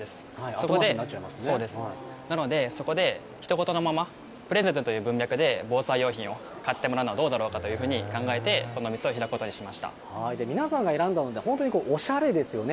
そこで、なので、そこでひと事のまま、プレゼントという文脈で防災用品を買ってもらうのはどうだろうかというふうに考えて、皆さんが選んだので、本当におしゃれですよね。